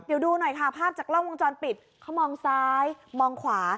เดี๋ยวดูหน่อยค่ะภาพจากกล้องวงจรปิดเขามองซ้ายมองขวา